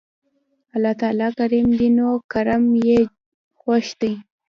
الله تعالی کريم دی نو کرَم ئي خوښ دی